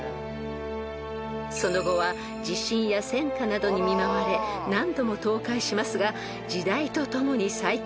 ［その後は地震や戦火などに見舞われ何度も倒壊しますが時代とともに再建］